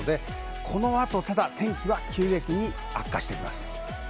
この後、天気は急激に悪化していきます。